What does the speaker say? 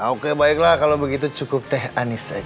oke baiklah kalo begitu cukup teh anis aja